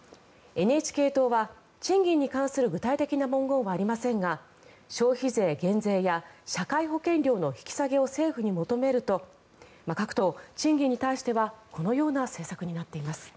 ＮＨＫ党は、賃金に関する具体的な文言はありませんが消費税減税や社会保険料の引き下げを政府に求めると各党、賃金に対してはこのような政策になっています。